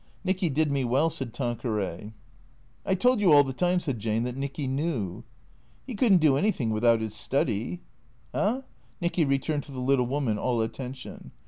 " Nicky did me well," said Tanqueray. " I told you all the time," said Jane, " that Nicky knew." "' E could n't do anything without 'is study." " Ah ?" Nicky returned to the little woman, all attention.